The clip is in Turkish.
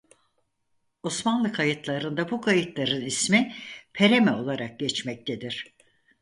Osmanlı kayıtlarında bu kayıkların ismi pereme olarak geçmektedir.